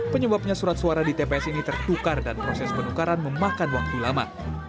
penyebabnya surat suara di tps ini tertukar dan proses penukaran memakan waktu lama